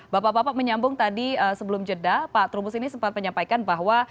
bapak bapak menyambung tadi sebelum jeda pak trubus ini sempat menyampaikan bahwa